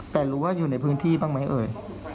แต่รู้ว่าอยู่ในพื้นที่บ้างไหมเอ่ย